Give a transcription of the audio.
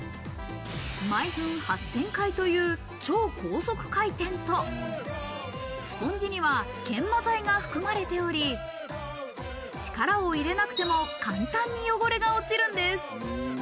毎分８０００回という超高速回転と、スポンジには研磨剤が含まれており、力を入れなくても簡単に汚れが落ちるんです。